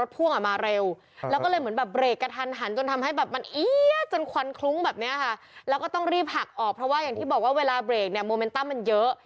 เพราะว่าอย่างที่บอกว่าเวลาเบรกเมอร์มันเยอะ